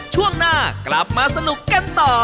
ช่วงหน้ากลับมาสนุกกันต่อ